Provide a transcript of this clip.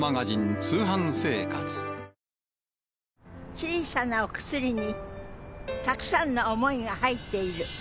小さなお薬にたくさんの想いが入っている。